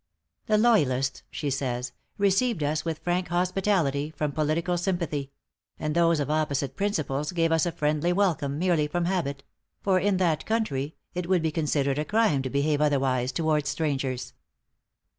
"The loyalists," she says, "received us with frank hospitality, from political sympathy; and those of opposite principles gave us a friendly welcome, merely from habit; for in that country it would be considered a crime to behave otherwise towards strangers."